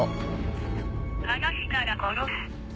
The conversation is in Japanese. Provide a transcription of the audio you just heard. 話したら殺す。